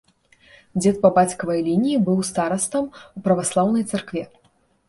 Дзед па бацькавай лініі быў старастам у праваслаўнай царкве.